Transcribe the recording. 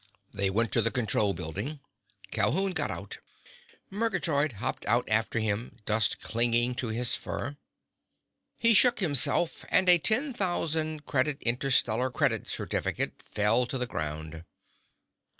They went to the control building. Calhoun got out. Murgatroyd hopped out after him, dust clinging to his fur. He shook himself, and a ten thousand credit interstellar credit certificate fell to the ground.